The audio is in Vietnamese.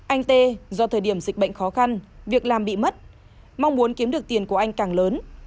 anh tê do thời điểm dịch bệnh khó khăn việc làm bị mất mong muốn kiếm được tiền của anh càng lớn